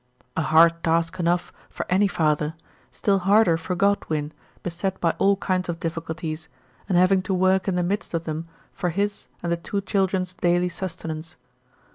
A hard task enough for any father, still harder for Godwin, beset by all kinds of diffi culties, and having to work in the midst of them for his and the two children's daily sustenance.